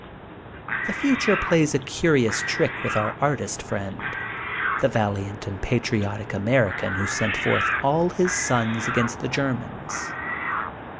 The future plays a curious trick with our artist friend, the valiant and patriotic Ameri can who sent forth all his sons against the Germans.